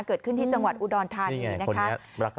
เกิดขึ้นที่จังหวัดอุดรธานีนะคะ